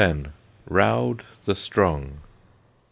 RAUD THE STRONG.